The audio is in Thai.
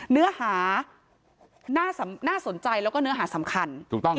เนื้อหาน่าสนใจแล้วก็เนื้อหาสำคัญ